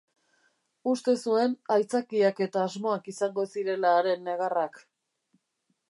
Uste zuen aitzakiak eta asmoak izango zirela haren negarrak.